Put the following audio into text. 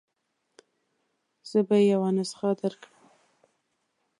زه به يې یوه نسخه درکړم.